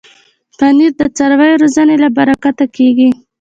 پنېر د څارویو روزنې له برکته کېږي.